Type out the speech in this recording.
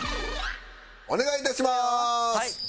お願いいたします！